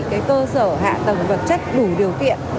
cái cơ sở hạ tầng vật chất đủ điều kiện